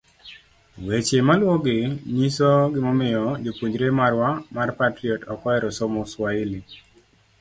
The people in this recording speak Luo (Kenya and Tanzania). Weche maluwogi nyiso gimomiyo jopuonjre marwa mar Patriot ok ohero somo Swahili.